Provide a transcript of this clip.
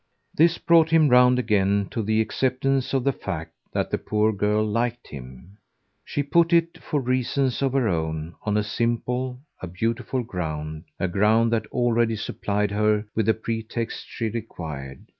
This brought him round again to the acceptance of the fact that the poor girl liked him. She put it, for reasons of her own, on a simple, a beautiful ground, a ground that already supplied her with the pretext she required.